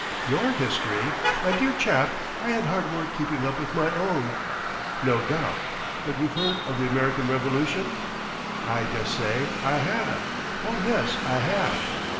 "Your history? My dear chap, I had hard work keeping up with my own." "No doubt. But you've heard of the American Revolution?" "I dessay I have Oh, yes, I have!"